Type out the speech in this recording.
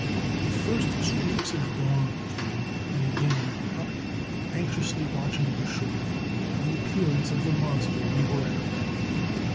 The first streaks of dawn came, and again we were up and anxiously watching the shore for the appearance of the monster we were after.